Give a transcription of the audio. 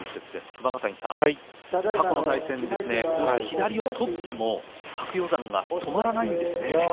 熊ヶ谷さん、過去の対戦でこうして左を取っても白鷹山が止まらないですね。